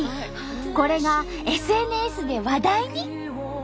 これがＳＮＳで話題に。